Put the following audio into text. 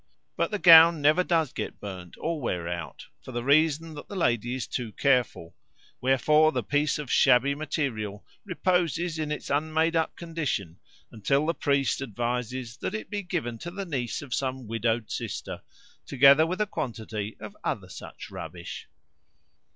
But the gown never does get burnt or wear out, for the reason that the lady is too careful; wherefore the piece of shabby material reposes in its unmade up condition until the priest advises that it be given to the niece of some widowed sister, together with a quantity of other such rubbish.